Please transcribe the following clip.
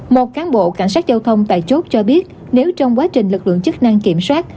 một cán bộ cảnh sát giao thông tại chốt cho biết nếu trong quá trình lực lượng chức năng kiểm soát